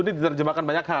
ini diterjemahkan banyak hal